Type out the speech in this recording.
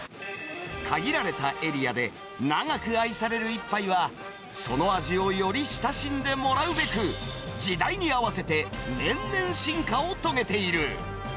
限られたエリアで長く愛される一杯は、その味をより親しんでもらうべく、時代に合わせて、年々進化を遂げている。